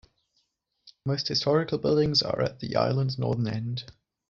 Most historical buildings are at the island's northern end.